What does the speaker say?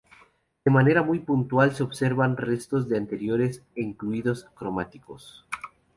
De manera muy puntual se observan restos de anteriores enlucidos cromáticos.